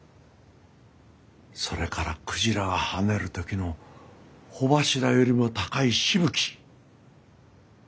それからクジラが跳ねる時の帆柱よりも高いしぶき。